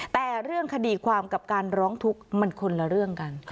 แต่เรื่องคดีความกับการร้องทุกข์มันคนละเรื่องกัน